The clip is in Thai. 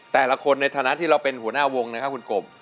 แต่ละคนในฐานะที่เราเป็นหัวหน้าวงนะครับคุณกบ